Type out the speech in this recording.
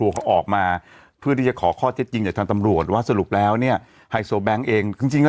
ก็คือมีค่าสง